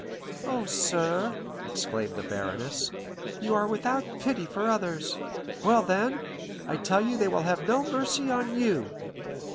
"Oh, sir," exclaimed the baroness, "you are without pity for others, well, then, I tell you they will have no mercy on you!"